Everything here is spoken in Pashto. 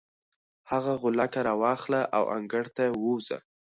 هغه غولکه راواخله او انګړ ته ووځه.